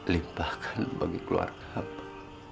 limbakan bagi keluarga mu